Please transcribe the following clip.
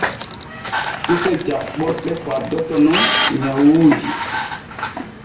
Tufe jaɓɓorɗe faddoto nun nyawuuji.